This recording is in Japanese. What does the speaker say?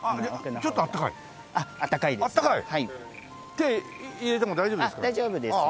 手入れても大丈夫ですか？